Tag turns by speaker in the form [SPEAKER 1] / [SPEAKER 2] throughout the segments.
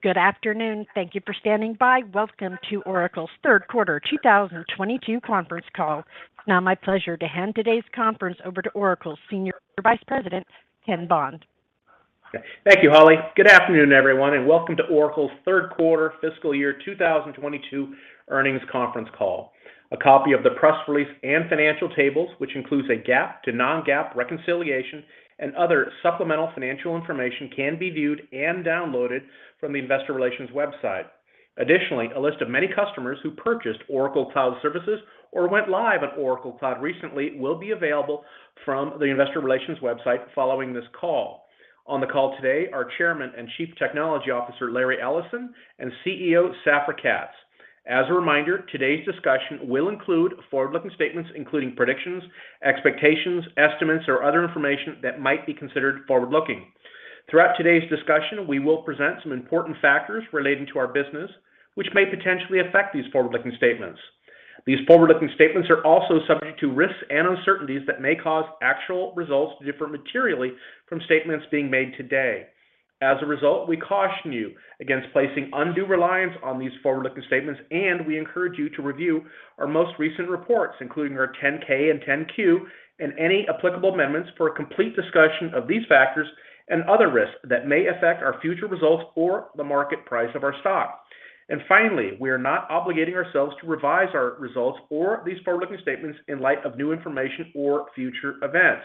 [SPEAKER 1] Good afternoon. Thank you for standing by. Welcome to Oracle's third quarter 2022 conference call. It's now my pleasure to hand today's conference over to Oracle's Senior Vice President, Ken Bond.
[SPEAKER 2] Thank you, Holly. Good afternoon, everyone, and welcome to Oracle's third quarter fiscal year 2022 earnings conference call. A copy of the press release and financial tables, which includes a GAAP to non-GAAP reconciliation and other supplemental financial information, can be viewed and downloaded from the Investor Relations website. Additionally, a list of many customers who purchased Oracle Cloud services or went live on Oracle Cloud recently will be available from the Investor Relations website following this call. On the call today are Chairman and Chief Technology Officer, Larry Ellison, and CEO, Safra Catz. As a reminder, today's discussion will include forward-looking statements, including predictions, expectations, estimates, or other information that might be considered forward-looking. Throughout today's discussion, we will present some important factors relating to our business, which may potentially affect these forward-looking statements. These forward-looking statements are also subject to risks and uncertainties that may cause actual results to differ materially from statements being made today. As a result, we caution you against placing undue reliance on these forward-looking statements, and we encourage you to review our most recent reports, including our 10-K and 10-Q and any applicable amendments for a complete discussion of these factors and other risks that may affect our future results or the market price of our stock. Finally, we are not obligating ourselves to revise our results or these forward-looking statements in light of new information or future events.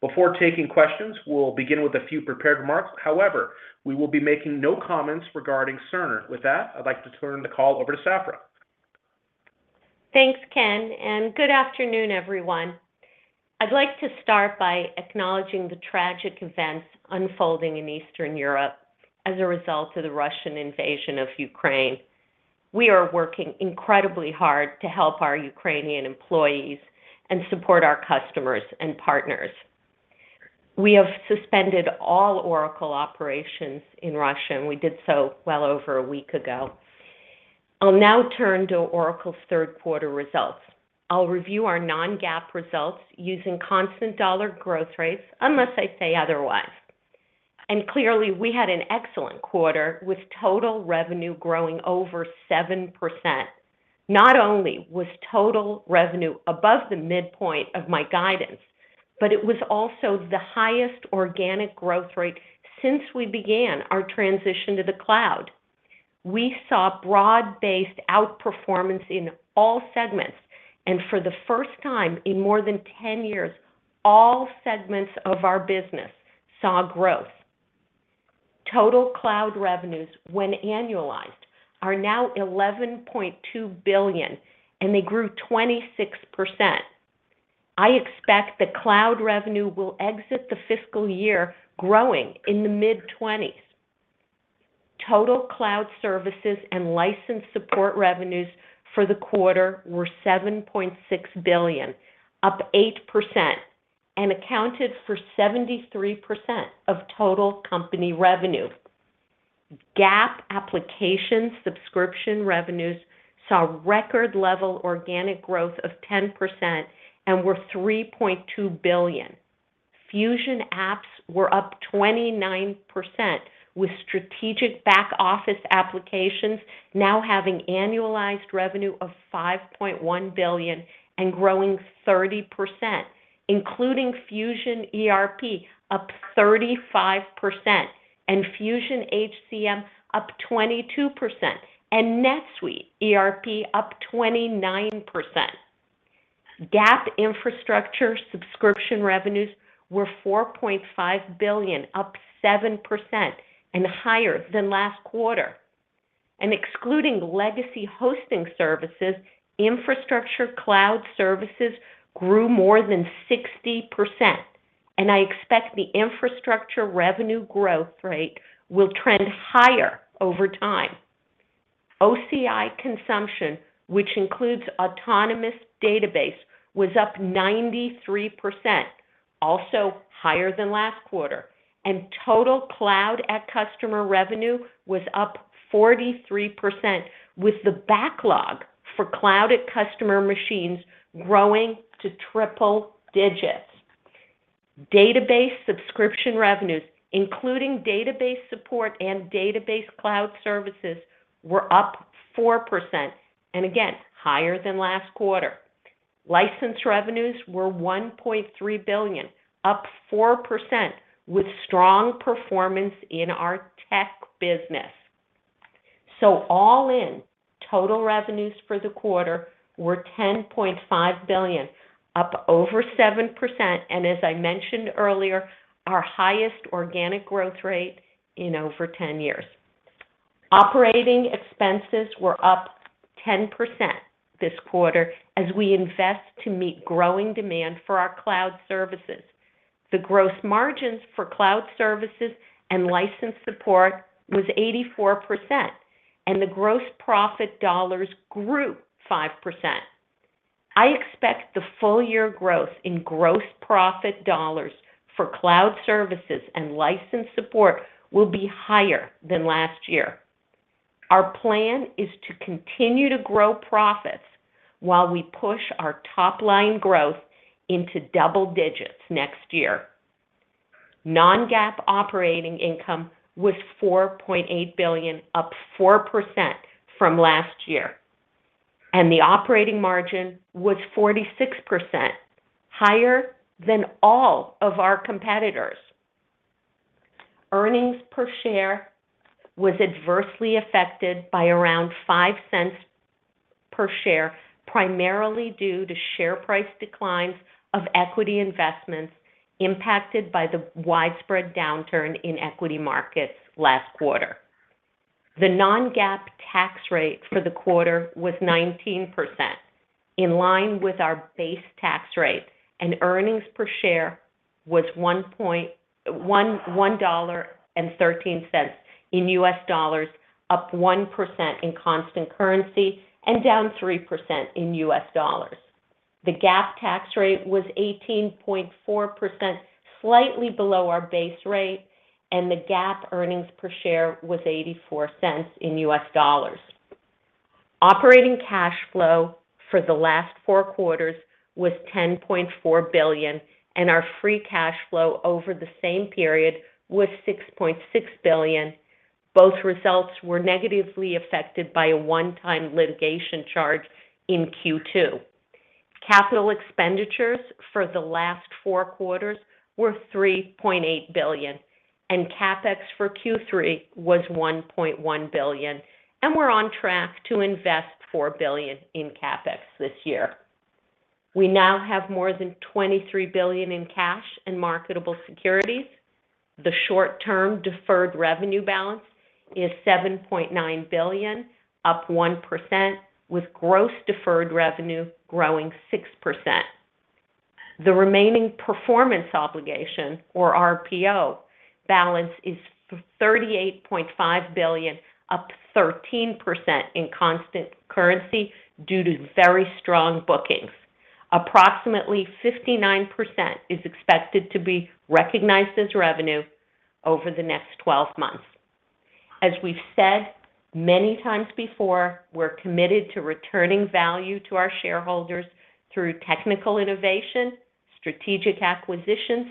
[SPEAKER 2] Before taking questions, we'll begin with a few prepared remarks. However, we will be making no comments regarding Cerner. With that, I'd like to turn the call over to Safra.
[SPEAKER 3] Thanks, Ken, and good afternoon, everyone. I'd like to start by acknowledging the tragic events unfolding in Eastern Europe as a result of the Russian invasion of Ukraine. We are working incredibly hard to help our Ukrainian employees and support our customers and partners. We have suspended all Oracle operations in Russia, and we did so well over a week ago. I'll now turn to Oracle's third quarter results. I'll review our non-GAAP results using constant dollar growth rates unless I say otherwise. Clearly, we had an excellent quarter with total revenue growing over 7%. Not only was total revenue above the midpoint of my guidance, but it was also the highest organic growth rate since we began our transition to the Cloud. We saw broad-based outperformance in all segments, and for the first time in more than 10 years, all segments of our business saw growth. Total cloud revenues, when annualized, are now $11.2 billion, and they grew 26%. I expect the Cloud revenue will exit the fiscal year growing in the mid-20s. Total Cloud services and license support revenues for the quarter were $7.6 billion, up 8%, and accounted for 73% of total company revenue. GAAP application subscription revenues saw record level organic growth of 10% and were $3.2 billion. Fusion apps were up 29%, with strategic back-office applications now having annualized revenue of $5.1 billion and growing 30%, including Fusion ERP up 35% and Fusion HCM up 22% and NetSuite ERP up 29%. GAAP infrastructure subscription revenues were $4.5 billion, up 7% and higher than last quarter. Excluding legacy hosting services, infrastructure Cloud services grew more than 60%, and I expect the infrastructure revenue growth rate will trend higher over time. OCI consumption, which includes Autonomous Database, was up 93%, also higher than last quarter. Total Cloud@Customer revenue was up 43%, with the backlog for Cloud@Customer machines growing to triple digits. Database subscription revenues, including database support and database Cloud services, were up 4% and again, higher than last quarter. License revenues were $1.3 billion, up 4%, with strong performance in our tech business. All in, total revenues for the quarter were $10.5 billion, up over 7%, and as I mentioned earlier, our highest organic growth rate in over 10 years. Operating expenses were up 10% this quarter as we invest to meet growing demand for our Cloud services. The gross margins for Cloud services and license support was 84%, and the gross profit dollars grew 5%. I expect the full year growth in gross profit dollars for Cloud services and license support will be higher than last year. Our plan is to continue to grow profits while we push our top-line growth into double digits next year. Non-GAAP operating income was $4.8 billion, up 4% from last year, and the operating margin was 46%, higher than all of our competitors. Earnings per share was adversely affected by around $0.05 per share, primarily due to share price declines of equity investments impacted by the widespread downturn in equity markets last quarter. The non-GAAP tax rate for the quarter was 19%, in line with our base tax rate, and earnings per share was $1.13 in U.S. dollars, up 1% in constant currency and down 3% in U.S. dollars. The GAAP tax rate was 18.4%, slightly below our base rate, and the GAAP earnings per share was $0.84 in U.S. dollars. Operating cash flow for the last four quarters was $10.4 billion, and our free cash flow over the same period was $6.6 billion. Both results were negatively affected by a one-time litigation charge in Q2. Capital expenditures for the last four quarters were $3.8 billion, and CapEx for Q3 was $1.1 billion, and we're on track to invest $4 billion in CapEx this year. We now have more than $23 billion in cash and marketable securities. The short-term deferred revenue balance is $7.9 billion, up 1%, with gross deferred revenue growing 6%. The remaining performance obligation, or RPO, balance is $38.5 billion, up 13% in constant currency due to very strong bookings. Approximately 59% is expected to be recognized as revenue over the next 12 months. As we've said many times before, we're committed to returning value to our shareholders through technical innovation, strategic acquisitions,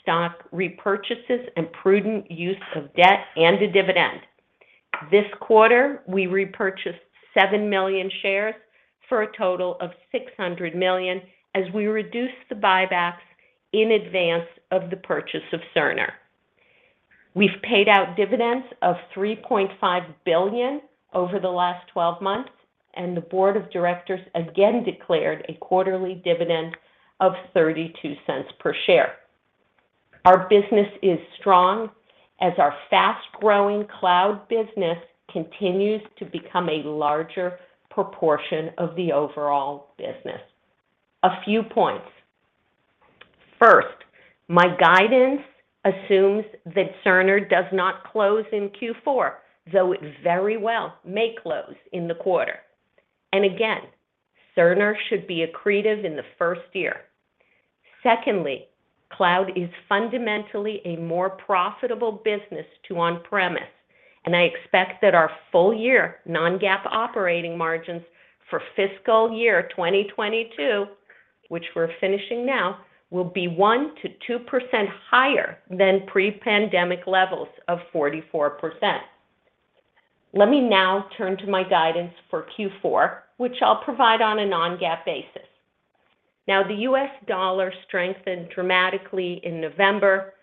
[SPEAKER 3] stock repurchases, and prudent use of debt and a dividend. This quarter, we repurchased seven million shares for a total of $600 million as we reduced the buybacks in advance of the purchase of Cerner. We've paid out dividends of $3.5 billion over the last 12 months, and the Board of Directors again declared a quarterly dividend of $0.32 per share. Our business is strong as our fast-growing Cloud business continues to become a larger proportion of the overall business. A few points. First, my guidance assumes that Cerner does not close in Q4, though it very well may close in the quarter. Again, Cerner should be accretive in the first year. Secondly, cloud is fundamentally a more profitable business than on-premise, and I expect that our full-year non-GAAP operating margins for fiscal year 2022, which we're finishing now, will be 1%-2% higher than pre-pandemic levels of 44%. Let me now turn to my guidance for Q4, which I'll provide on a non-GAAP basis. Now, the U.S. dollar strengthened dramatically in November,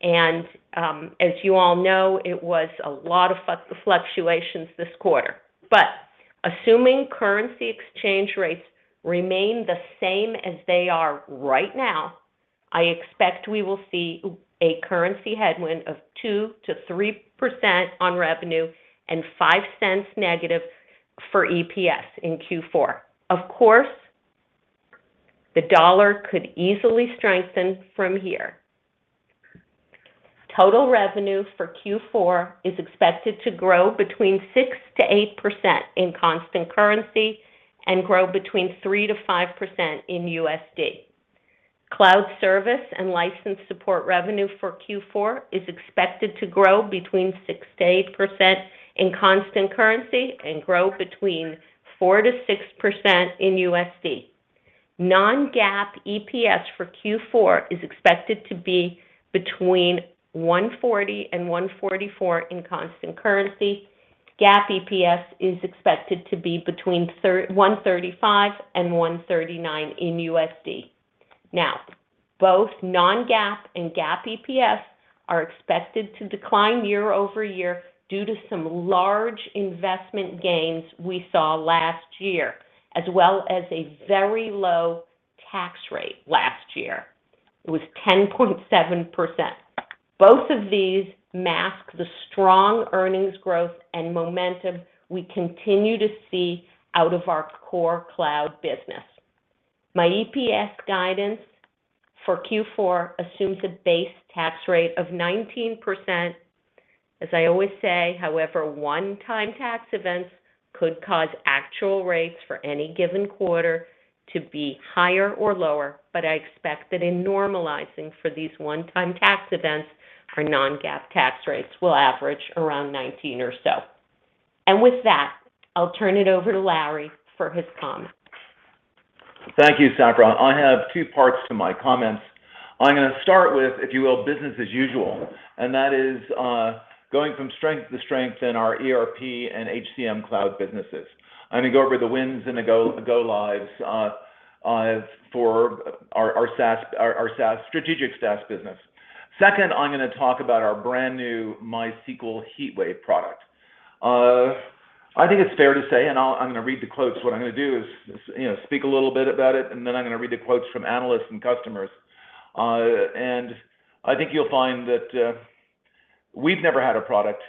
[SPEAKER 3] and, as you all know, it was a lot of fluctuations this quarter. Assuming currency exchange rates remain the same as they are right now, I expect we will see a currency headwind of 2%-3% on revenue and $0.05 negative for EPS in Q4. Of course, the dollar could easily strengthen from here. Total revenue for Q4 is expected to grow between 6%-8% in constant currency and grow between 3%-5% in USD. Cloud service and license support revenue for Q4 is expected to grow between 6%-8% in constant currency and grow between 4%-6% in USD. Non-GAAP EPS for Q4 is expected to be between $1.40 and $1.44 in constant currency. GAAP EPS is expected to be between $1.35 and $1.39 in USD. Now, both non-GAAP and GAAP EPS are expected to decline year-over-year due to some large investment gains we saw last year, as well as a very low tax rate last year. It was 10.7%. Both of these masks the strong earnings growth and momentum we continue to see out of our core Cloud business. My EPS guidance for Q4 assumes a base tax rate of 19%. As I always say, however, one-time tax events could cause actual rates for any given quarter to be higher or lower, but I expect that in normalizing for these one-time tax events, our non-GAAP tax rates will average around 19% or so. With that, I'll turn it over to Larry for his comments.
[SPEAKER 4] Thank you, Safra. I have two parts to my comments. I'm going to start with, if you will, business as usual, and that is, going from strength to strength in our ERP and HCM cloud businesses. I'm going to go over the wins, and the go lives for our SaaS, strategic SaaS business. Second, I'm going to talk about our brand-new MySQL HeatWave product. I think it's fair to say, I'm going to read the quotes. What I'm going to do is, you know, speak a little bit about it, and then I'm going to read the quotes from analysts and customers. I think you'll find that, we've never had a product,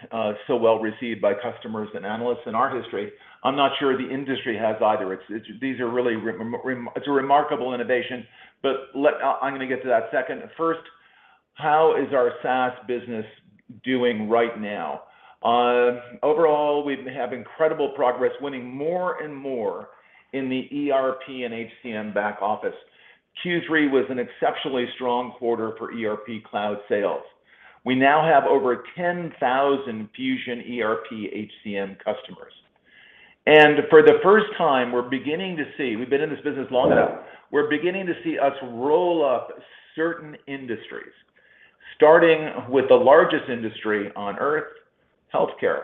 [SPEAKER 4] so well-received by customers and analysts in our history. I'm not sure the industry has either. It's a remarkable innovation, but I'm going to get to that in a second. First, how is our SaaS business doing right now? Overall, we've had incredible progress, winning more and more in the ERP and HCM back-office. Q3 was an exceptionally strong quarter for ERP Cloud sales. We now have over 10,000 Fusion ERP HCM customers. For the first time, we've been in this business long enough, we're beginning to see us roll up certain industries, starting with the largest industry on Earth, healthcare.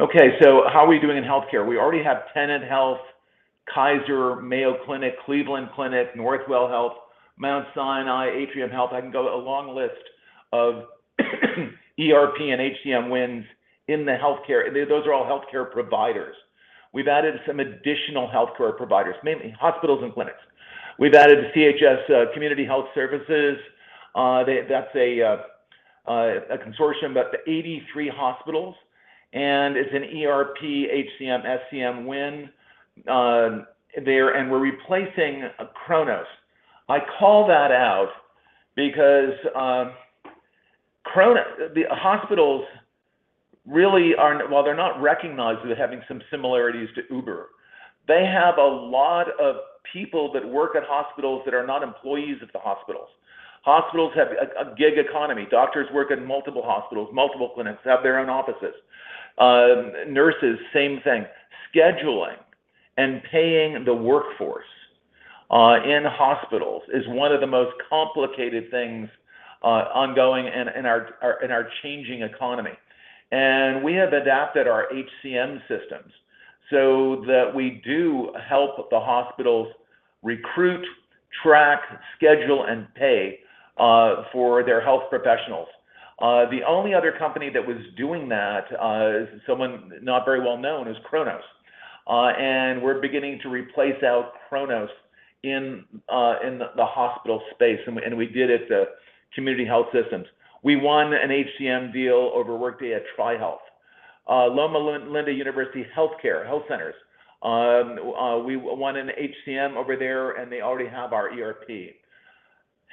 [SPEAKER 4] Okay, so how are we doing in healthcare? We already have Tenet Healthcare, Kaiser, Mayo Clinic, Cleveland Clinic, Northwell Health, Mount Sinai, Atrium Health. I can go on a long list of ERP and HCM wins in healthcare. Those are all healthcare providers. We've added some additional healthcare providers, mainly hospitals and clinics. We've added CHS, Community Health Systems. That's a consortium, about 83 hospitals, and it's an ERP, HCM, SCM win there, and we're replacing Kronos. I call that out because the hospitals really are... while they're not recognized with having some similarities to Uber, they have a lot of people that work at hospitals that are not employees of the hospitals. Hospitals have a gig economy. Doctors work at multiple hospitals, multiple clinics, have their own offices. Nurses, same thing. Scheduling and paying the workforce in hospitals is one of the most complicated things ongoing in our changing economy. We have adapted our HCM systems so that we do help the hospitals recruit, track, schedule, and pay for their health professionals. The only other company that was doing that, someone not very well known, is Kronos. We're beginning to replace Kronos in the hospital space, and we did it at Community Health Systems. We won an HCM deal over Workday at TriHealth. Loma Linda University Health centers, we won an HCM over there, and they already have our ERP.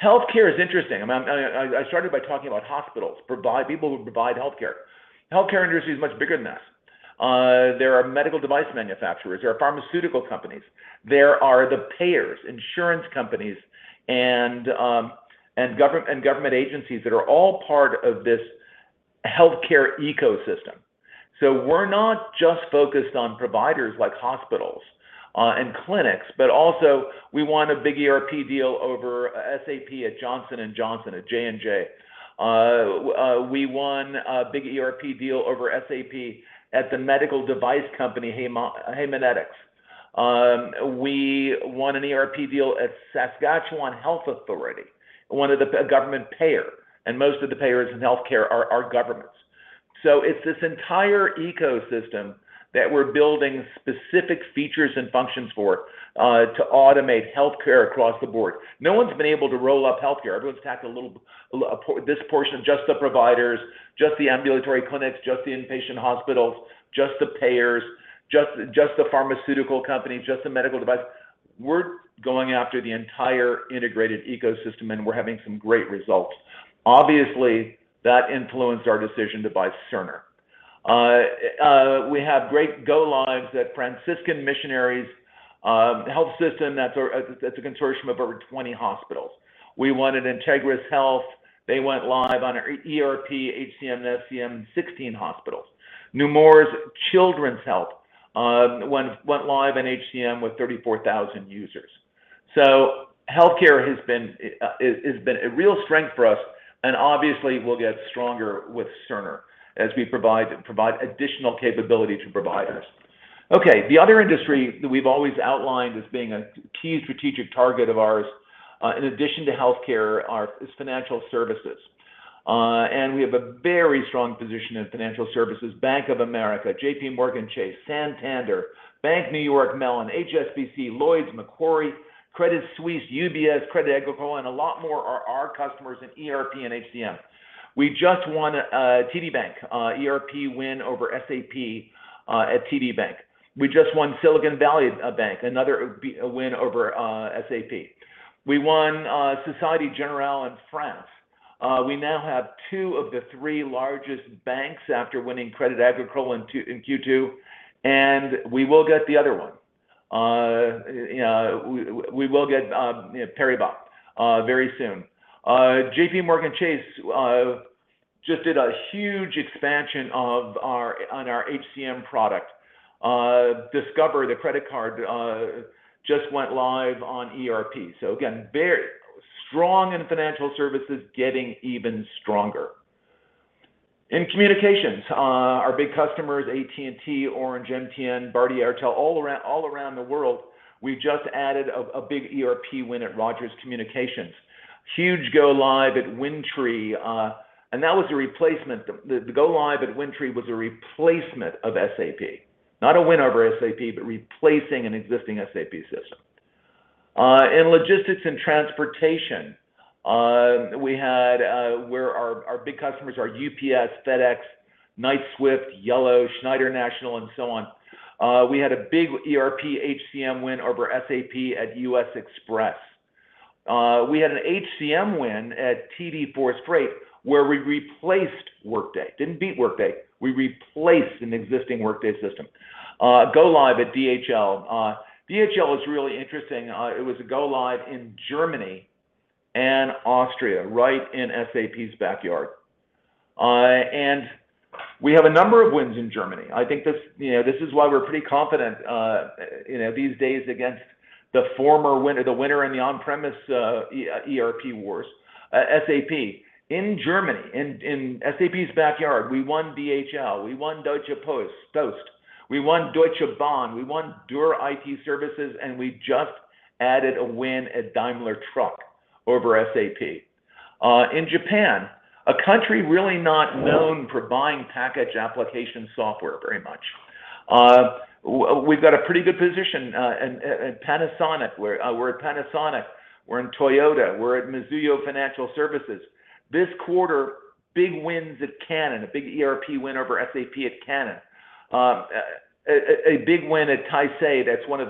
[SPEAKER 4] Healthcare is interesting. I mean, I started by talking about hospitals, people who provide healthcare. Healthcare industry is much bigger than that. There are medical device manufacturers. There are pharmaceutical companies. There are the payers, insurance companies, and government agencies that are all part of this healthcare ecosystem. We're not just focused on providers like hospitals and clinics, but also, we want a big ERP deal over SAP at Johnson & Johnson, at J&J. We won a big ERP deal over SAP at the medical device company Haemonetics. We won an ERP deal at Saskatchewan Health Authority, one of the government payers, and most of the payers in healthcare are governments. It's this entire ecosystem that we're building specific features and functions for to automate healthcare across the board. No one's been able to roll up healthcare. Everyone's attacked a little this portion, just the providers, just the ambulatory clinics, just the inpatient hospitals, just the payers, just the pharmaceutical companies, just the medical device. We're going after the entire integrated ecosystem, and we're having some great results. Obviously, that influenced our decision to buy Cerner. We have great go-lives at Franciscan Missionaries of Our Lady Health System. That's a consortium of over 20 hospitals. We won at INTEGRIS Health. They went live on ERP, HCM, SCM, 16 hospitals. Nemours Children's Health went live in HCM with 34,000 users. Healthcare has been a real strength for us, and obviously will get stronger with Cerner as we provide additional capability to providers. Okay, the other industry that we've always outlined as being a key strategic target of ours in addition to healthcare is financial services. We have a very strong position in financial services. Bank of America, JPMorgan Chase, Santander, Bank of New York Mellon, HSBC, Lloyds, Macquarie, Credit Suisse, UBS, Crédit Agricole, and a lot more are our customers in ERP and HCM. We just won TD Bank ERP win over SAP at TD Bank. We just won Silicon Valley Bank, another win over SAP. We won Société Générale in France. We now have two of the three largest banks after winning Crédit Agricole in Q2, and we will get the other one. You know, we will get, you know, BNP Paribas very soon. JPMorgan Chase just did a huge expansion on our HCM product. Discover, the credit card, just went live on ERP. Again, very strong in financial services, getting even stronger. In communications, our big customers, AT&T, Orange, MTN, Bharti Airtel, all around the world, we've just added a big ERP win at Rogers Communications. Huge go-live at WINDTRE, and that was a replacement. The go-live at WINDTRE was a replacement of SAP. Not a win over SAP but replacing an existing SAP system. In logistics and transportation, where our big customers are UPS, FedEx, Knight-Swift, Yellow, Schneider National, and so on. We had a big ERP HCM win over SAP at U.S. Xpress. We had an HCM win at TForce Freight, where we replaced Workday. Didn't beat Workday, we replaced an existing Workday system. Go-live at DHL. DHL is really interesting. It was a go-live in Germany and Austria, right in SAP's backyard. We have a number of wins in Germany. I think this, you know, this is why we're pretty confident, you know, these days against the former winner, the winner in the on-premises ERP wars, SAP. In Germany, in SAP's backyard, we won DHL, we won Deutsche Post. We won Deutsche Bahn, we won T-Systems, and we just added a win at Daimler Truck over SAP. In Japan, a country really not known for buying packaged application software very much, we've got a pretty good position at Panasonic. We're at Panasonic, we're in Toyota, we're at Mizuho Financial Services. This quarter, big wins at Canon, a big ERP win over SAP at Canon. A big win at Taisei, that's one of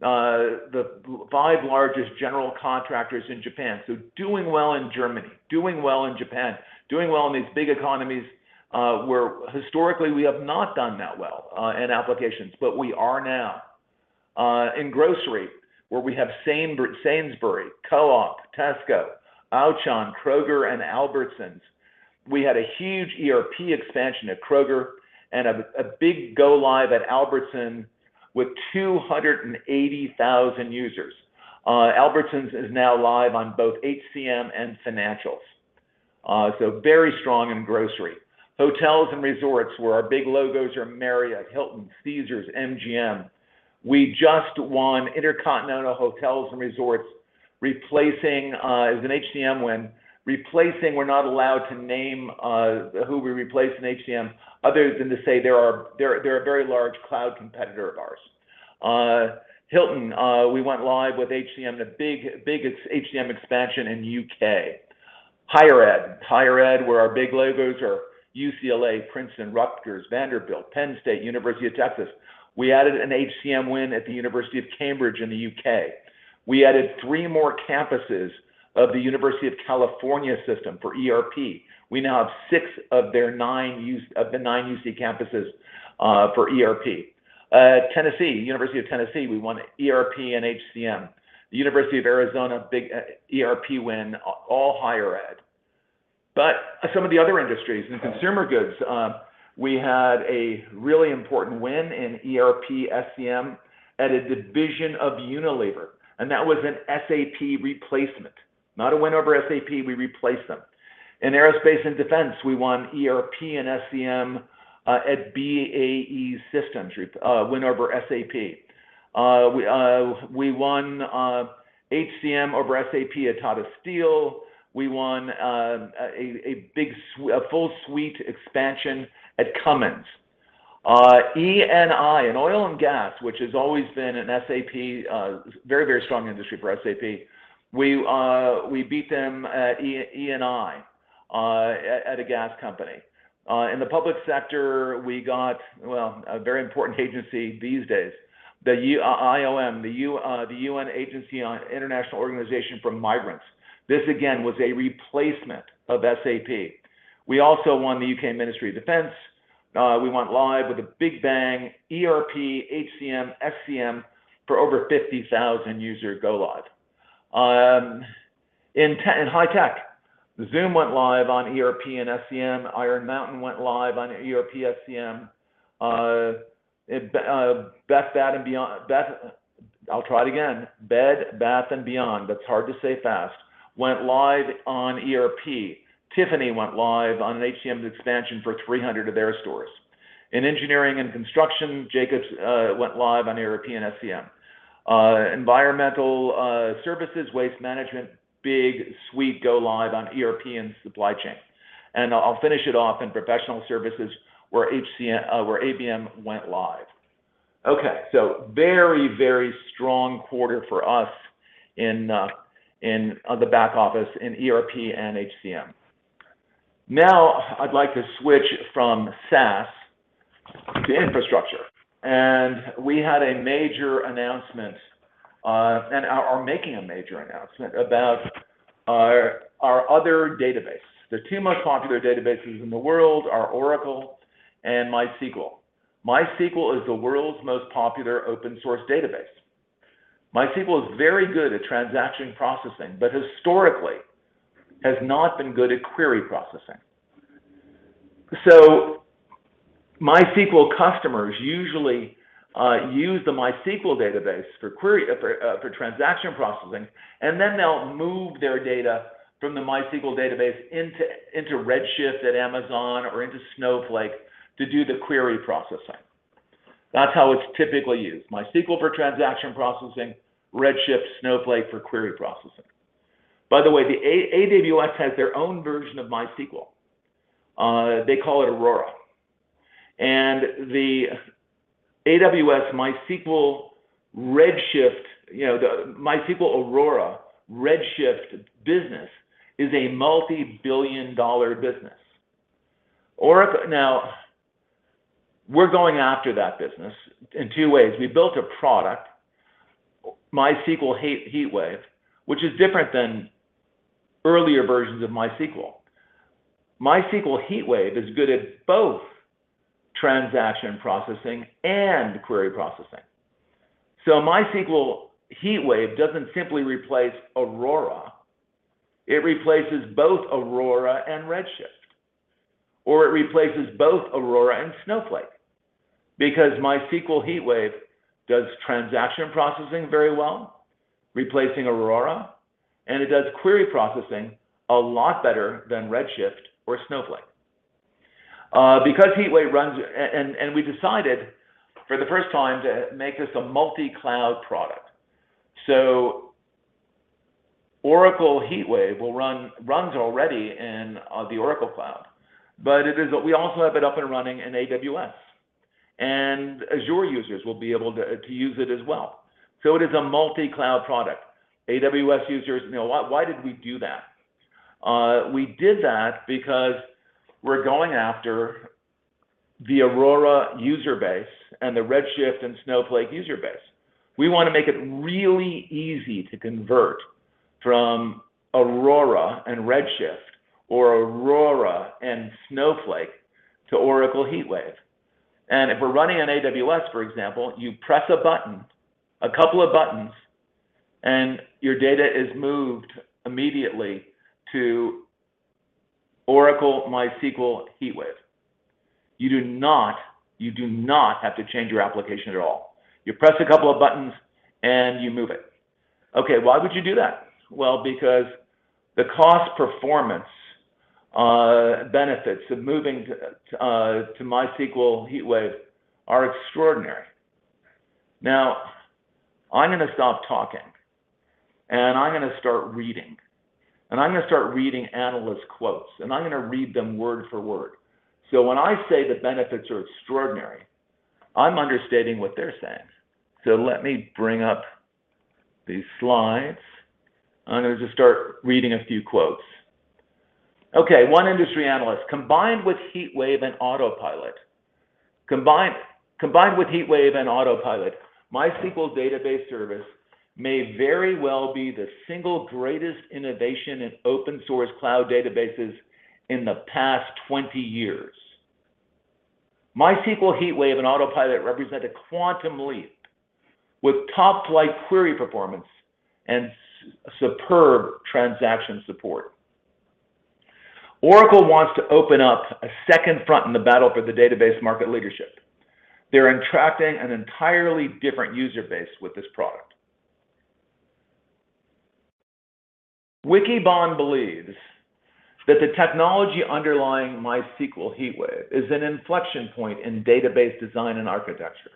[SPEAKER 4] the five largest general contractors in Japan. Doing well in Germany, doing well in Japan, doing well in these big economies where historically we have not done that well in applications, but we are now. In grocery, where we have Sainsbury's, Co-op, Tesco, Auchan, Kroger, and Albertsons. We had a huge ERP expansion at Kroger and a big go-live at Albertsons with 280,000 users. Albertsons is now live on both HCM and financials. So very strong in grocery. Hotels and resorts, where our big logos are Marriott, Hilton, Caesars, MGM. We just won InterContinental Hotels and Resorts. It was an HCM win. We're not allowed to name who we replaced in HCM, other than to say they're a very large cloud competitor of ours. Hilton, we went live with HCM, the biggest HCM expansion in U.K. Higher ed, where our big logos are UCLA, Princeton, Rutgers, Vanderbilt, Penn State, University of Texas. We added an HCM win at the University of Cambridge in the U.K. We added three more campuses of the University of California system for ERP. We now have six of their nine UC campuses for ERP. Tennessee, University of Tennessee, we won ERP and HCM. The University of Arizona, big ERP win, all higher ed. Some of the other industries and consumer goods, we had a really important win in ERP SCM at a division of Unilever, and that was an SAP replacement. Not a win over SAP, we replaced them. In aerospace and defense, we won ERP and SCM at BAE Systems. It's a win over SAP. We won HCM over SAP at Tata Steel. We won a full suite expansion at Cummins. Eni, in oil and gas, which has always been an SAP very strong industry for SAP. We beat them at Eni at a gas company. In the public sector, we got, well, a very important agency these days, the IOM, the UN agency on International Organization for Migration. This again was a replacement of SAP. We also won the UK Ministry of Defence. We went live with a big bang ERP, HCM, SCM for over 50,000 user go-live. In high tech, Zoom went live on ERP and SCM. Iron Mountain went live on ERP, SCM. Bed Bath & Beyond, I'll try it again. Bed Bath & Beyond, that's hard to say fast, went live on ERP. Tiffany went live on an HCM expansion for 300 of their stores. In engineering and construction, Jacobs went live on ERP and SCM. Environmental services, Waste Management, big suite go live on ERP and supply chain. I'll finish it off in professional services where HCM, where ABM went live. Okay, so very, very strong quarter for us in the back office in ERP and HCM. Now, I'd like to switch from SaaS to the infrastructure. We had a major announcement and are making a major announcement about our other database. The two most popular databases in the world are Oracle and MySQL. MySQL is the world's most popular open-source database. MySQL is very good at transaction processing but historically has not been good at query processing. MySQL customers usually use the MySQL database for transaction processing, and then they'll move their data from the MySQL database into Redshift at Amazon or into Snowflake to do the query processing. That's how it's typically used. MySQL for transaction processing, Redshift, Snowflake for query processing. By the way, AWS has their own version of MySQL. They call it Aurora. The AWS MySQL Redshift, you know, the MySQL Aurora Redshift business is a multi-billion-dollar business. Now, we're going after that business in two ways. We built a product, MySQL HeatWave, which is different than earlier versions of MySQL. MySQL HeatWave is good at both transaction processing and query processing. MySQL HeatWave doesn't simply replace Aurora, it replaces both Aurora and Redshift, or it replaces both Aurora and Snowflake, because MySQL HeatWave does transaction processing very well, replacing Aurora, and it does query processing a lot better than Redshift or Snowflake, and we decided for the first time to make this a multi-cloud product. Oracle HeatWave runs already in the Oracle Cloud. We also have it up and running in AWS. Azure users will be able to use it as well. It is a multi-cloud product. AWS users, why did we do that? We did that because we're going after the Aurora user base and the Redshift and Snowflake user base. We want to make it really easy to convert from Aurora and Redshift or Aurora and Snowflake to MySQL HeatWave. If we're running on AWS, for example, you press a button, a couple of buttons, and your data is moved immediately to Oracle MySQL HeatWave. You do not have to change your application at all. You press a couple of buttons, and you move it. Okay, why would you do that? Because the cost performance benefits of moving to MySQL HeatWave are extraordinary. Now, I'm going to stop talking, and I'm going to start reading. I'm going to start reading analyst quotes, and I'm going to read them word for word. When I say the benefits are extraordinary, I'm understating what they're saying. Let me bring up these slides. I'm going to just start reading a few quotes. Okay, one industry analyst, "Combined with HeatWave and Autopilot, MySQL database service may very well be the single greatest innovation in open-source cloud databases in the past 20 years." MySQL HeatWave and Autopilot represent a quantum leap with top-flight query performance and superb transaction support. Oracle wants to open up a second front in the battle for the database market leadership. They're attracting an entirely different user base with this product. Wikibon believes that the technology underlying MySQL HeatWave is an inflection point in database design and architecture.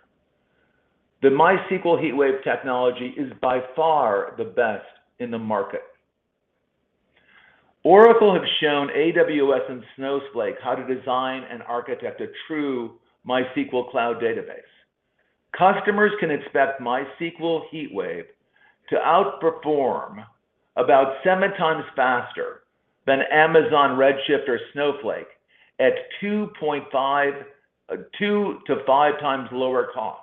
[SPEAKER 4] The MySQL HeatWave technology is by far the best in the market. Oracle have shown AWS and Snowflake how to design and architect a true MySQL cloud database. Customers can expect MySQL HeatWave to outperform about 7x faster than Amazon Redshift or Snowflake at 2x-5x lower cost.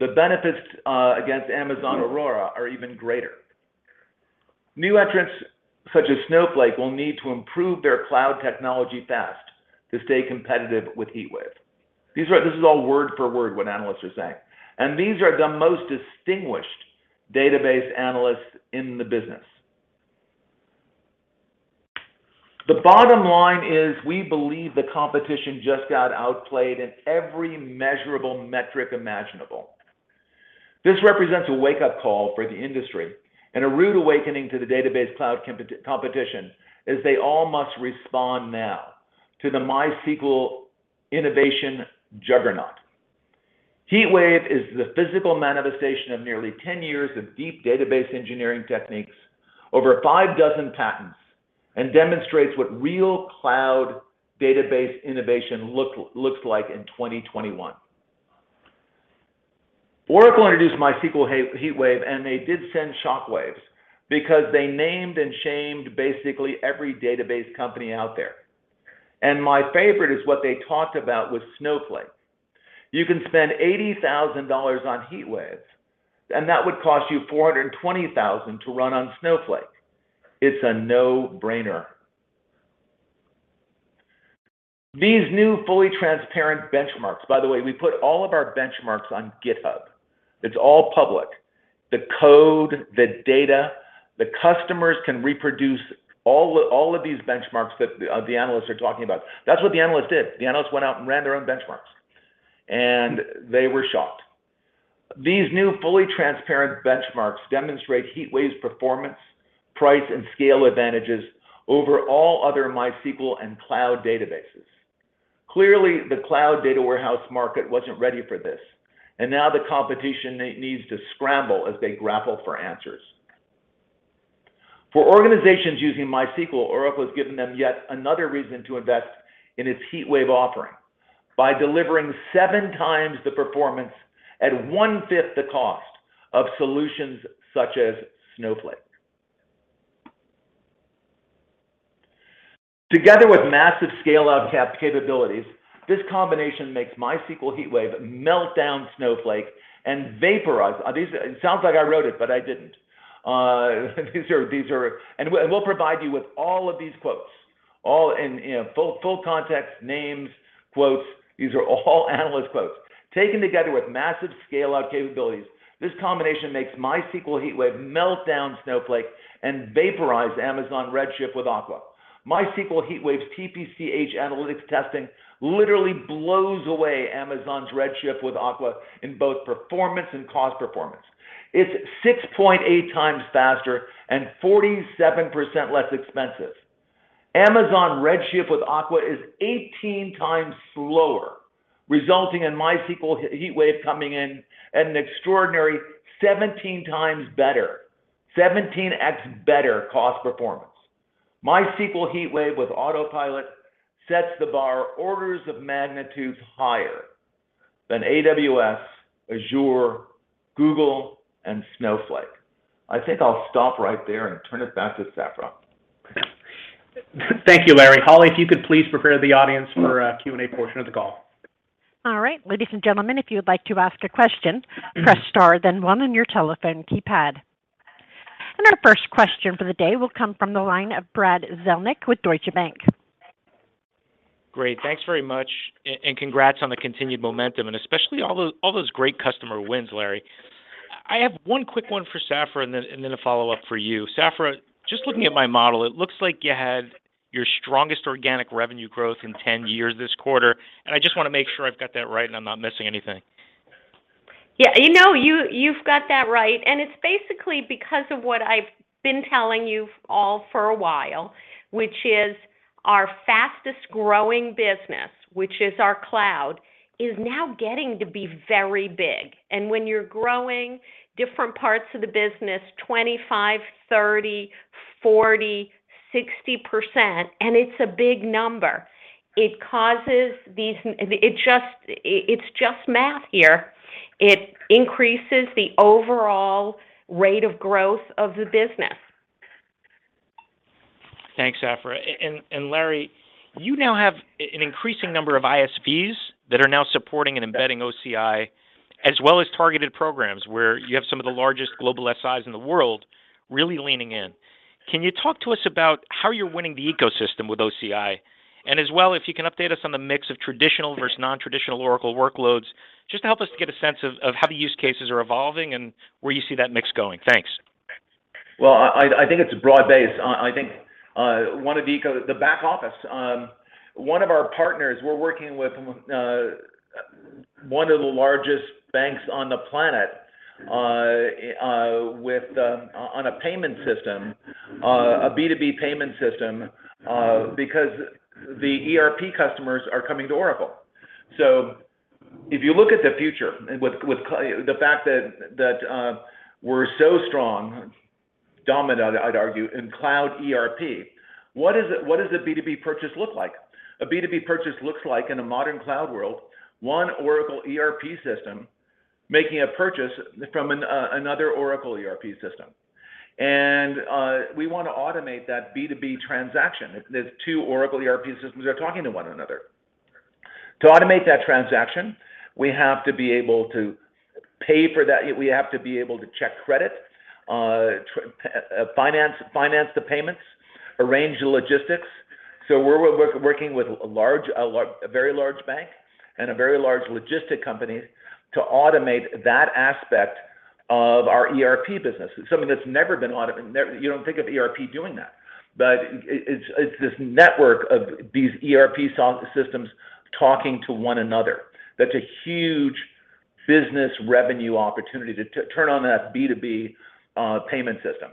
[SPEAKER 4] The benefits against Amazon Aurora are even greater. New entrants such as Snowflake will need to improve their cloud technology fast to stay competitive with HeatWave. This is all word-for-word what analysts are saying. These are the most distinguished database analysts in the business. The bottom line is we believe the competition just got outplayed in every measurable metric imaginable. This represents a wake-up call for the industry and a rude awakening to the database cloud competition, as they all must respond now to the MySQL innovation juggernaut. HeatWave is the physical manifestation of nearly 10 years of deep database engineering techniques, over five dozen patents, and demonstrates what real cloud database innovation looks like in 2021. Oracle introduced MySQL HeatWave, and they did send shockwaves because they named and shamed basically every database company out there. My favorite is what they talked about with Snowflake. You can spend $80,000 on HeatWave, and that would cost you $420,000 to run on Snowflake. It's a no-brainer. These new fully transparent benchmarks. By the way, we put all of our benchmarks on GitHub. It's all public. The code, the data, the customers can reproduce all of these benchmarks that the analysts are talking about. That's what the analyst did. The analysts went out and ran their own benchmarks, and they were shocked. These new fully transparent benchmarks demonstrate HeatWave's performance, price, and scale advantages over all other MySQL and Cloud databases. Clearly, the Cloud data warehouse market wasn't ready for this, and now the competition needs to scramble as they grapple for answers. For organizations using MySQL, Oracle has given them yet another reason to invest in its MySQL HeatWave offering by delivering 7x the performance at 1/5 the cost of solutions such as Snowflake. Together with massive scale-out capabilities, this combination makes MySQL HeatWave melt down Snowflake and vaporize. It sounds like I wrote it, but I didn't. These are all analyst quotes. We'll provide you with all of these quotes, all in full context, names, quotes, these are all analysts' quotes. Taken together with massive scale-out capabilities, this combination makes MySQL HeatWave melt down Snowflake and vaporize Amazon Redshift with AQUA. MySQL HeatWave's TPC-H analytics testing literally blows away Amazon Redshift with AQUA in both performance and cost performance. It's 6.8x faster and 47% less expensive. Amazon Redshift with AQUA is 18x, resulting in MySQL HeatWave coming in at an extraordinary 17x better, 17x better cost performance. MySQL HeatWave with Autopilot sets the bar orders of magnitudes higher than AWS, Azure, Google, and Snowflake. I think I'll stop right there and turn it back to Safra.
[SPEAKER 2] Thank you, Larry. Holly, if you could please prepare the audience for a Q&A portion of the call.
[SPEAKER 1] All right. Ladies and gentlemen, if you would like to ask a question, press star then one on your telephone keypad. Our first question for the day will come from the line of Brad Zelnick with Deutsche Bank.
[SPEAKER 5] Great. Thanks very much and congrats on the continued momentum and especially all those great customer wins, Larry. I have one quick one for Safra and then a follow-up for you. Safra, just looking at my model, it looks like you had your strongest organic revenue growth in 10 years this quarter, and I just want to make sure I've got that right and I'm not missing anything.
[SPEAKER 3] Yeah. You know, you've got that right, and it's basically because of what I've been telling you all for a while, which is our fastest-growing business, which is our cloud, is now getting to be very big. When you're growing different parts of the business 25%, 30%, 40%, 60%, and it's a big number, it causes these. It's just math here. It increases the overall rate of growth of the business.
[SPEAKER 5] Thanks, Safra. And Larry, you now have an increasing number of ISVs that are now supporting and embedding OCI, as well as targeted programs where you have some of the largest global SIs in the world really leaning in. Can you talk to us about how you're winning the ecosystem with OCI? As well, if you can update us on the mix of traditional versus non-traditional Oracle workloads, just to help us get a sense of how the use cases are evolving and where you see that mix going. Thanks.
[SPEAKER 4] Well, I think it's broad-based. I think one of the back-office one of our partners we're working with one of the largest banks on the planet with on a payment system, a B2B payment system because the ERP customers are coming to Oracle. If you look at the future with the fact that we're so strong, dominant, I'd argue, in Cloud ERP, what does a B2B purchase look like? A B2B purchase looks like in a modern cloud world one Oracle ERP system making a purchase from another Oracle ERP system. We want to automate that B2B transaction. There's two Oracle ERP systems that are talking to one another. To automate that transaction, we have to be able to pay for that. We have to be able to check credit, finance the payments, arrange the logistics. We're working with a very large bank and a very large logistics company to automate that aspect of our ERP business. Something that's never been automated. You don't think of ERP doing that. It's this network of these ERP systems talking to one another. That's a huge business revenue opportunity to turn on that B2B payment system.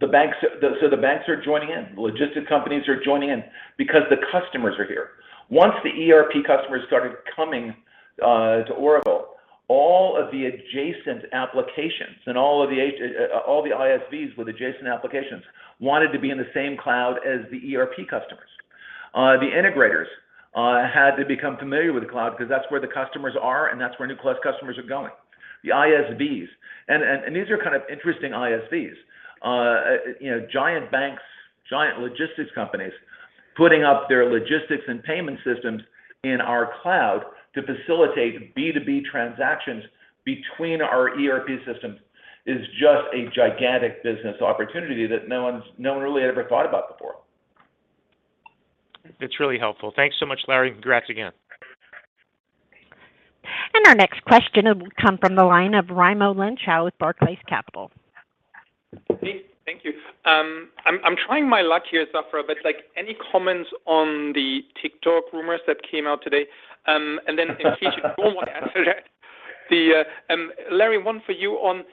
[SPEAKER 4] The banks are joining in, logistics companies are joining in because the customers are here. Once the ERP customers started coming to Oracle, all of the adjacent applications and all of the ISVs with adjacent applications wanted to be in the same cloud as the ERP customers. The integrators had to become familiar with the Cloud because that's where the customers are, and that's where new customers are going. The ISVs, and these are kind of interesting ISVs. You know, giant banks, giant logistics companies putting up their logistics and payment systems in our cloud to facilitate B2B transactions between our ERP systems is just a gigantic business opportunity that no one really had ever thought about before.
[SPEAKER 5] It's really helpful. Thanks so much, Larry. Congrats again.
[SPEAKER 1] Our next question will come from the line of Raimo Lenschow with Barclays Capital.
[SPEAKER 6] Hey, thank you. I'm trying my luck here, Safra, but like any comments on the TikTok rumors that came out today? In case you don't want to answer that. Then, Larry, one for you. On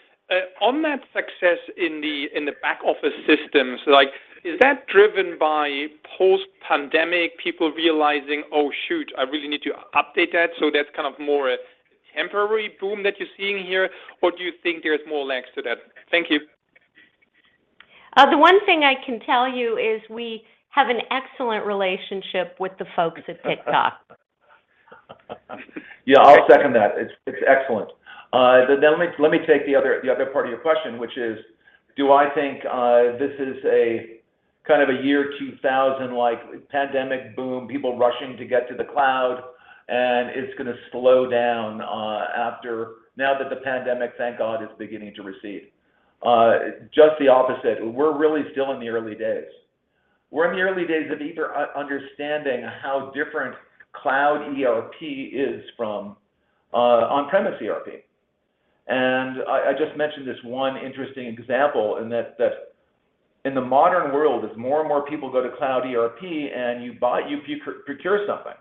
[SPEAKER 6] that success in the back-office systems, like, is that driven by post-pandemic people realizing, "Oh, shoot, I really need to update that," so that's kind of more a temporary boom that you're seeing here, or do you think there's more legs to that? Thank you.
[SPEAKER 3] The one thing I can tell you is we have an excellent relationship with the folks at TikTok.
[SPEAKER 4] Yeah, I'll second that. It's excellent. Let me take the other part of your question, which is, do I think this is a kind of a year 2000-like pandemic boom, people rushing to get to the cloud, and it's going to slow down after now that the pandemic, thank God, is beginning to recede? Just the opposite. We're really still in the early days. We're in the early days of even understanding how different Cloud ERP is from on-premise ERP. I just mentioned this one interesting example in that in the modern world, as more and more people go to Cloud ERP and you pre-procure something,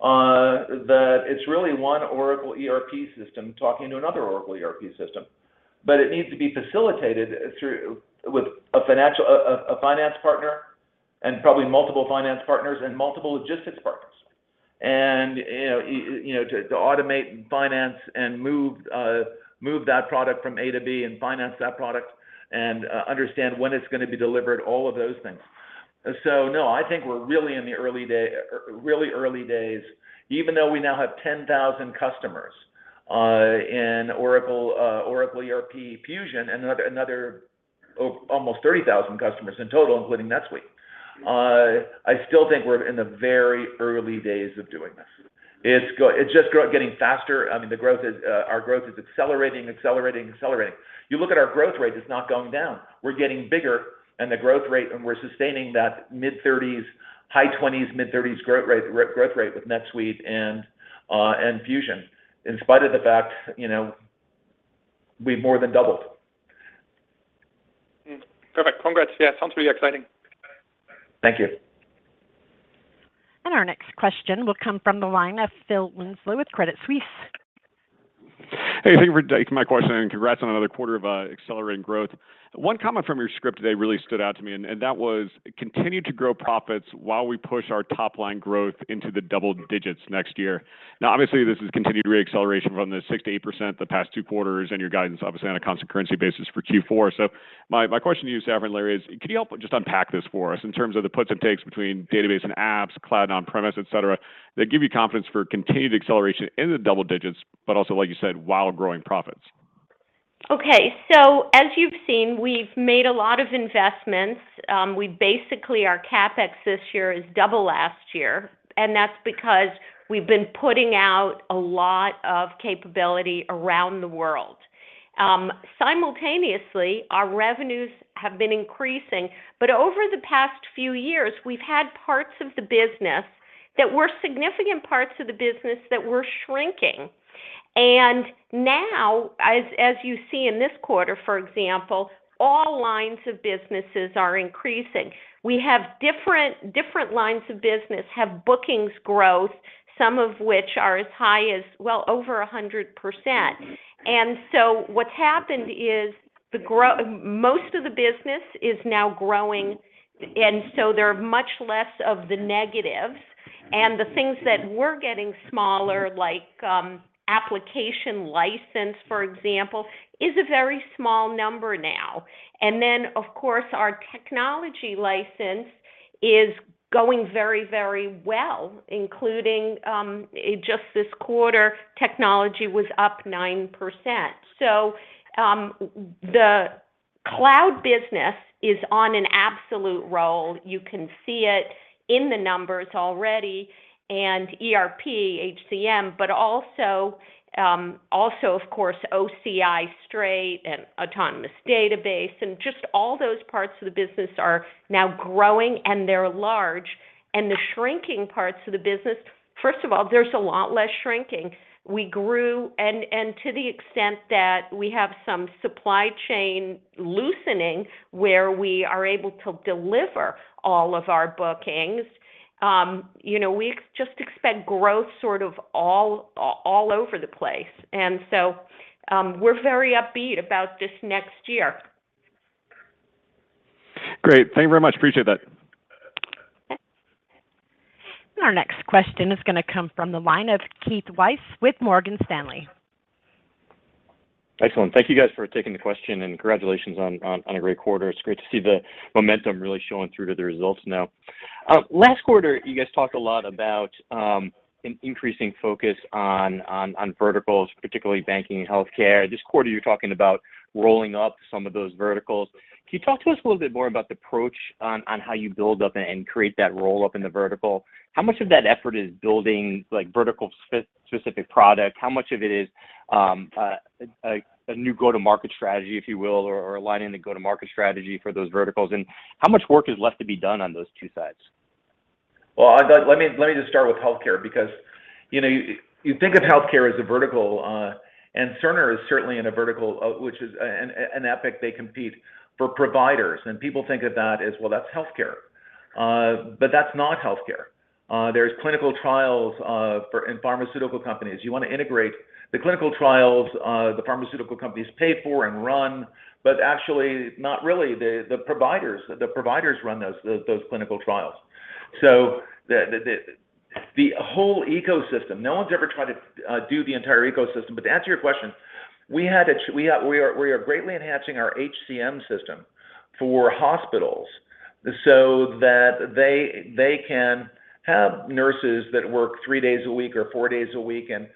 [SPEAKER 4] that it's really one Oracle ERP system talking to another Oracle ERP system. It needs to be facilitated through with a finance partner, and probably multiple finance partners and multiple logistics partners. You know, to automate finance and move that product from A to B and finance that product and understand when it's going to be delivered, all of those things. No, I think we're really in the early days, even though we now have 10,000 customers in Oracle ERP Fusion, another almost 30,000 customers in total, including NetSuite. I still think we're in the very early days of doing this. It's just getting faster. I mean, the growth is. Our growth is accelerating. You look at our growth rate, it's not going down. We're getting bigger, and the growth rate, and we're sustaining that mid-30s, high 20s, mid-30s growth rate with NetSuite and Fusion. In spite of the fact, you know, we've more than doubled.
[SPEAKER 6] Perfect. Congrats. Yeah, sounds really exciting.
[SPEAKER 4] Thank you.
[SPEAKER 1] Our next question will come from the line of Phil Winslow with Credit Suisse.
[SPEAKER 7] Hey, thank you for taking my question, and congrats on another quarter of accelerating growth. One comment from your script today really stood out to me, and that was, "Continue to grow profits while we push our top line growth into the double digits next year." Now, obviously, this is continued re-acceleration from the 6%-8% the past two quarters, and your guidance, obviously, on a constant currency basis for Q4. My question to you, Safra and Larry, is can you help just unpack this for us in terms of the puts and takes between database and apps, cloud, on-premise, et cetera, that give you confidence for continued acceleration into double digits, but also, like you said, while growing profits?
[SPEAKER 3] Okay. As you've seen, we've made a lot of investments. We basically, our CapEx this year is double last year, and that's because we've been putting out a lot of capability around the world. Simultaneously, our revenues have been increasing, but over the past few years, we've had significant parts of the business that were shrinking. Now, as you see in this quarter, for example, all lines of businesses are increasing. We have different lines of business have bookings growth, some of which are as high as, well, over 100%. What's happened is most of the business is now growing, and so there are much less of the negatives. The things that were getting smaller, like application license, for example, is a very small number now. Of course, our technology license is going very, very well, including just this quarter, technology was up 9%. The cloud business is on an absolute roll. You can see it in the numbers already, and ERP, HCM, but also of course OCI straight and Autonomous Database and just all those parts of the business are now growing and they're large. The shrinking parts of the business, first of all, there's a lot less shrinking. We grew and to the extent that we have some supply chain loosening where we are able to deliver all of our bookings, you know, we just expect growth sort of all over the place. We're very upbeat about this next year.
[SPEAKER 7] Great. Thank you very much. Appreciate that.
[SPEAKER 1] Our next question is going to come from the line of Keith Weiss with Morgan Stanley.
[SPEAKER 8] Excellent. Thank you guys for taking the question, and congratulations on a great quarter. It's great to see the momentum really showing through to the results now. Last quarter, you guys talked a lot about an increasing focus on verticals, particularly banking and healthcare. This quarter, you're talking about rolling up some of those verticals. Can you talk to us a little bit more about the approach on how you build up and create that roll-up in the vertical? How much of that effort is building, like, vertical specific product? How much of it is a new go-to-market strategy, if you will, or aligning the go-to-market strategy for those verticals? And how much work is left to be done on those two sides?
[SPEAKER 4] Well, let me just start with healthcare because, you know, you think of healthcare as a vertical, and Cerner is certainly in a vertical, which is, and Epic, they compete for providers. People think of that as, well, that's healthcare. But that's not healthcare. There's clinical trials in pharmaceutical companies. You want to integrate the clinical trials, the pharmaceutical companies pay for and run, but actually not really. The whole ecosystem, no one's ever tried to do the entire ecosystem. We are greatly enhancing our HCM system for hospitals so that they can have nurses that work three days a week or four days a week and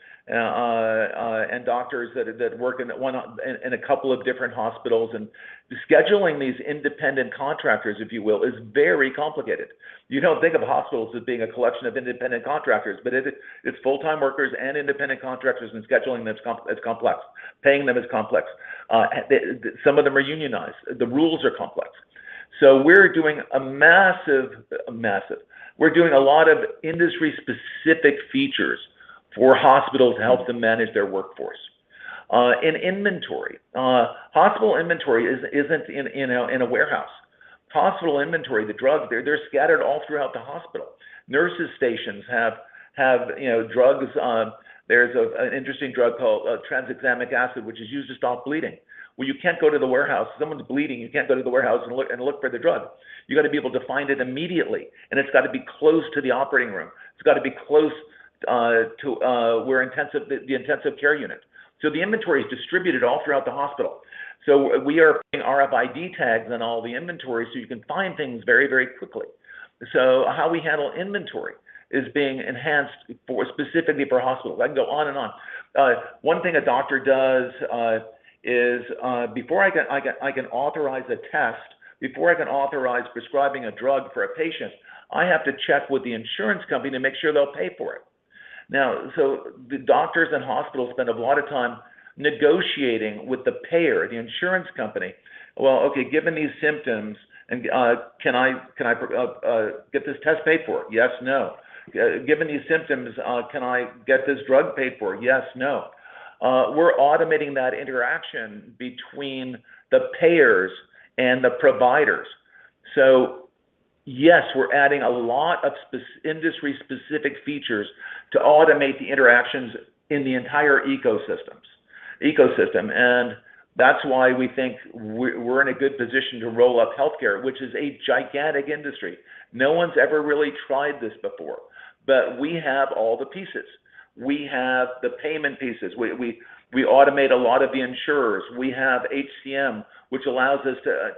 [SPEAKER 4] doctors that work in a couple of different hospitals. Scheduling these independent contractors, if you will, is very complicated. You don't think of hospitals as being a collection of independent contractors, but it's full-time workers and independent contractors, and scheduling them is complex. Paying them is complex. Some of them are unionized. The rules are complex. We're doing a lot of industry-specific features for hospitals to help them manage their workforce. In inventory, hospital inventory isn't in a warehouse. Hospital inventory, the drugs, they're scattered all throughout the hospital. Nurses stations have, you know, drugs. There's an interesting drug called tranexamic acid, which is used to stop bleeding. Well, you can't go to the warehouse. If someone's bleeding, you can't go to the warehouse and look for the drug. You got to be able to find it immediately, and it's got to be close to the operating room. It's got to be close to the intensive care unit. The inventory is distributed all throughout the hospital. We are putting RFID tags on all the inventory so you can find things very, very quickly. How we handle inventory is being enhanced specifically for hospitals. I can go on and on. One thing a doctor does is before I can authorize a test, before I can authorize prescribing a drug for a patient, I have to check with the insurance company to make sure they'll pay for it. The doctors and hospitals spend a lot of time negotiating with the payer, the insurance company. "Well, okay, given these symptoms and, can I get this test paid for? Yes, no. Given these symptoms, can I get this drug paid for? Yes, no." We're automating that interaction between the payers and the providers. Yes, we're adding a lot of industry-specific features to automate the interactions in the entire ecosystem. That's why we think we're in a good position to roll up healthcare, which is a gigantic industry. No one's ever really tried this before, but we have all the pieces. We have the payment pieces. We automate a lot of the insurers. We have HCM, which allows us to,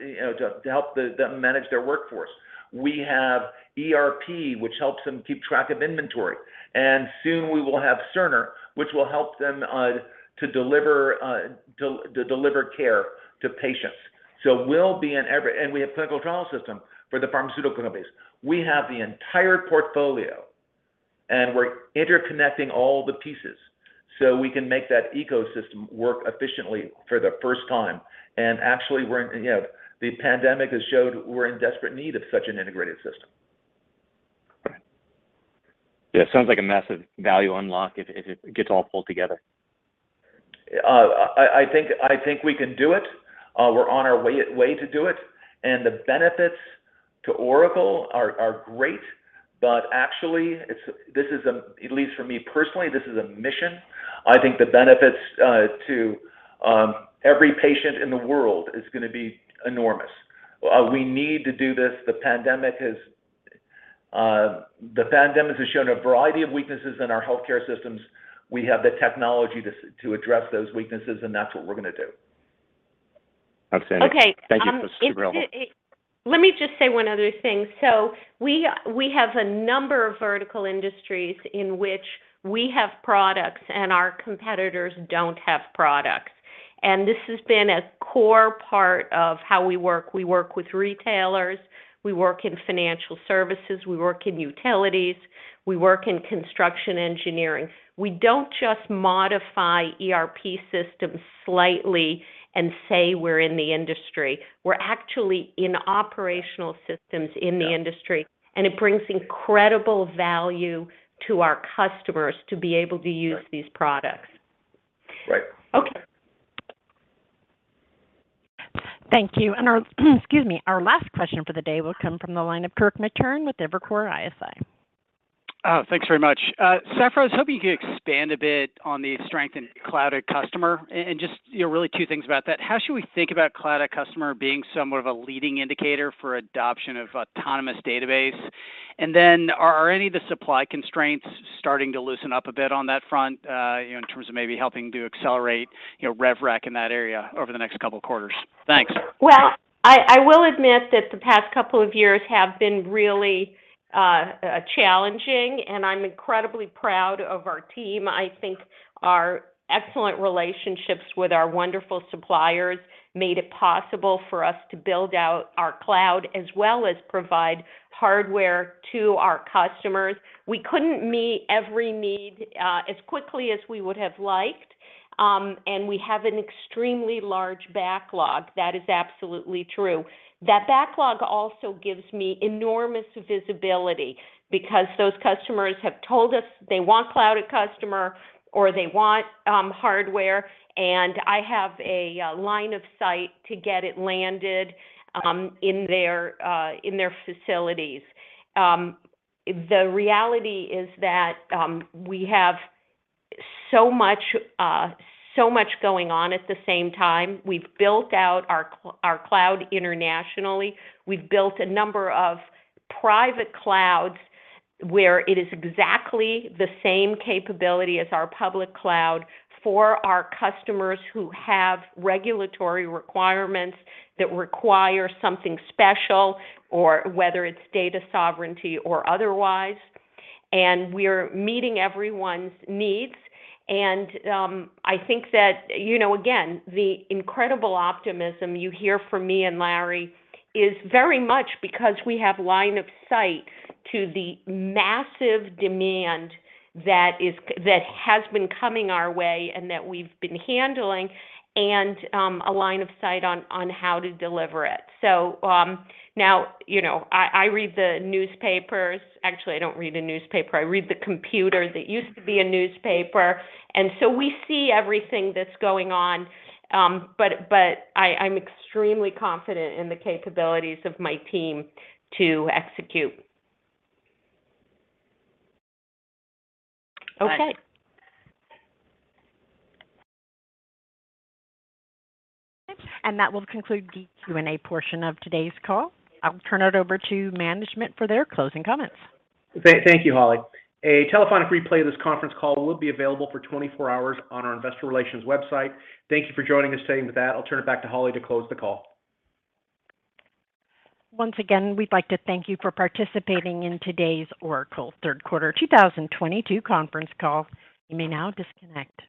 [SPEAKER 4] you know, help them manage their workforce. We have ERP, which helps them keep track of inventory. Soon we will have Cerner, which will help them to deliver care to patients. We have clinical trial system for the pharmaceutical companies. We have the entire portfolio, and we're interconnecting all the pieces so we can make that ecosystem work efficiently for the first time. Actually, you know, the pandemic has showed we're in desperate need of such an integrated system.
[SPEAKER 8] Yeah. It sounds like a massive value unlock if it gets all pulled together.
[SPEAKER 4] I think we can do it. We're on our way to do it, and the benefits to Oracle are great. Actually, at least for me personally, this is a mission. I think the benefits to every patient in the world is going to be enormous. We need to do this. The pandemic has shown a variety of weaknesses in our healthcare systems. We have the technology to address those weaknesses, and that's what we're going to do.
[SPEAKER 8] Outstanding.
[SPEAKER 3] Okay.
[SPEAKER 8] Thank you for.
[SPEAKER 3] Um, if the-
[SPEAKER 8] This is incredible.
[SPEAKER 3] Let me just say one other thing. We have a number of vertical industries in which we have products and our competitors don't have products, and this has been a core part of how we work. We work with retailers, we work in financial services, we work in utilities, we work in construction engineering. We don't just modify ERP systems slightly and say we're in the industry. We're actually in operational systems in the industry, and it brings incredible value to our customers to be able to use these products.
[SPEAKER 4] Right.
[SPEAKER 3] Okay.
[SPEAKER 1] Thank you. Our last question for the day will come from the line of Kirk Materne with Evercore ISI.
[SPEAKER 9] Thanks very much. Safra, I was hoping you could expand a bit on the strength in Cloud@Customer and just, you know, really two things about that. How should we think about Cloud@Customer being somewhat of a leading indicator for adoption of Autonomous Database? And then are any of the supply constraints starting to loosen up a bit on that front, you know, in terms of maybe helping to accelerate, you know, rev rec in that area over the next couple of quarters? Thanks.
[SPEAKER 3] Well, I will admit that the past couple of years have been really challenging, and I'm incredibly proud of our team. I think our excellent relationships with our wonderful suppliers made it possible for us to build out our cloud as well as provide hardware to our customers. We couldn't meet every need as quickly as we would have liked, and we have an extremely large backlog. That is absolutely true. That backlog also gives me enormous visibility because those customers have told us they want Cloud@Customer or they want hardware, and I have a line of sight to get it landed in their facilities. The reality is that we have so much going on at the same time. We've built out our cloud internationally. We've built a number of private clouds where it is exactly the same capability as our public cloud for our customers who have regulatory requirements that require something special or whether it's data sovereignty or otherwise. We're meeting everyone's needs. I think that, you know, again, the incredible optimism you hear from me and Larry is very much because we have line of sight to the massive demand that has been coming our way and that we've been handling and a line of sight on how to deliver it. Now, you know, I read the newspapers. Actually, I don't read a newspaper. I read the computer that used to be a newspaper. We see everything that's going on, but I'm extremely confident in the capabilities of my team to execute. Okay.
[SPEAKER 1] That will conclude the Q&A portion of today's call. I'll turn it over to management for their closing comments.
[SPEAKER 2] Thank you, Holly. A telephonic replay of this conference call will be available for 24 hours on our investor relations website. Thank you for joining us. With that, I'll turn it back to Holly to close the call.
[SPEAKER 1] Once again, we'd like to thank you for participating in today's Oracle third quarter 2022 conference call. You may now disconnect.